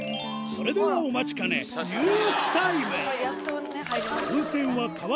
それではお待ちかね熱い！